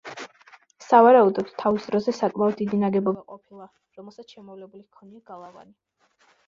სავარაუდოდ, თავის დროზე საკმაოდ დიდი ნაგებობა ყოფილა, რომელსაც შემოვლებული ჰქონია გალავანი.